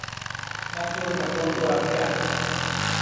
Kantu eta kontu artean.